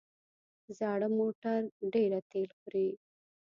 زاړه موټر ډېره تېل خوري.